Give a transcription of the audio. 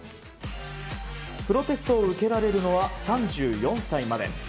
プロテストを受けられるのは３４歳まで。